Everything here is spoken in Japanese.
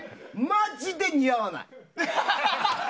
マジで似合わない！